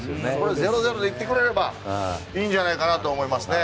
０−０でいってくれればいいんじゃないかなと思います。